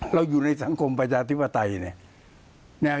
อยู่ในสังคมประชาธิปไตยเนี่ย